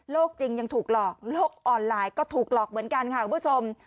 จริงยังถูกหลอกโลกออนไลน์ก็ถูกหลอกเหมือนกันค่ะคุณผู้ชม